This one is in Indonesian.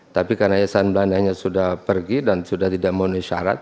tapi karena yayasan belandanya sudah pergi dan sudah tidak memenuhi syarat